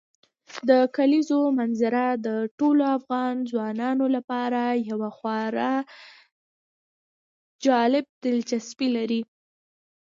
د کلیزو منظره د ټولو افغان ځوانانو لپاره یوه خورا جالب دلچسپي لري.